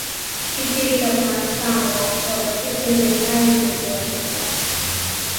فکر یې د افغانستان وو او د فکر دنیا یې ددې وطن وه.